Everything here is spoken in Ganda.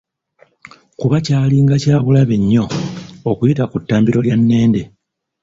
Kuba kyalinga kyabulabe nnyo okuyita ku ttambiro lya Nnende.